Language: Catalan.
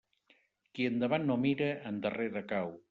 Qui endavant no mira, endarrere cau.